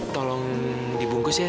tolong dibungkus ya